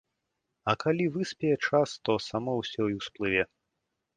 А калі выспее час, то само ўсё і ўсплыве.